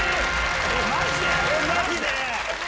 マジで？